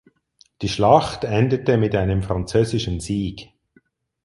Die Schlacht endete mit einem französischen Sieg.